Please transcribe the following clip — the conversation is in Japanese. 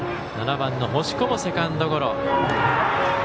７番、星子もセカンドゴロ。